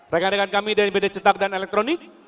rekan rekan kami dari bd cetak dan elektronik